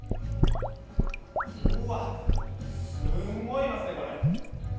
うわ、すごいいますね。